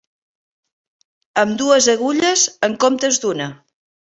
Amb dues agulles en comptes d'una